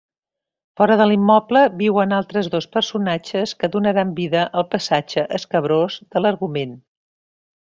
Fora de l'immoble viuen altres dos personatges que donaran vida al passatge escabrós de l'argument.